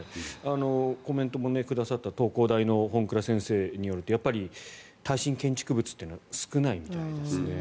コメントもくださった東工大の本藏先生によるとやっぱり耐震建築物というのは少ないみたいですね。